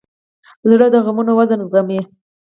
زړه د غمونو وزن زغمي.